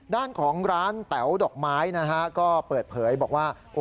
ด้านของร้านแต๋วดอกไม้นะฮะก็เปิดเผยบอกว่า